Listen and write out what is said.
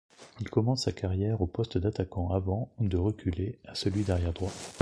Il commence sa carrière au poste d'attaquant avant de reculer à celui d'arrière droit.